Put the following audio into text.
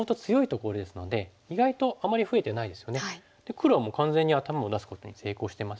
黒はもう完全に頭を出すことに成功してますよね。